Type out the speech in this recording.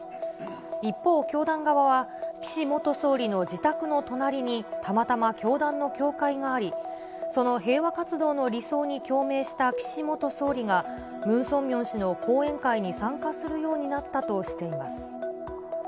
一方、教団側は、岸元総理の自宅の隣に、たまたま教団の教会があり、その平和活動の理想に共鳴した岸元総理がムン・ソンミョン氏の講演会に参加するようになったとしています。